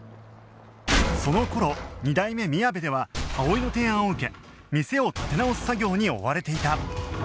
その頃二代目みやべでは葵の提案を受け店を立て直す作業に追われていた